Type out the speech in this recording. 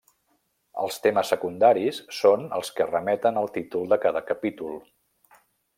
Els temes secundaris són els que remeten al títol de cada capítol.